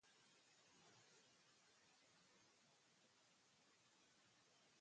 Álvarez-Correa es la menor de siete hermanos.